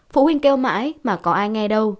phụ huynh kêu mãi mà có ai nghe đâu